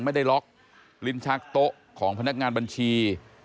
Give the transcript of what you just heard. ไม่ได้ล็อกลิ้นชักโต๊ะของพนักงานบัญชี